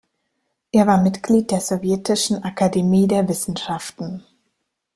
Er war Mitglied der Sowjetischen Akademie der Wissenschaften.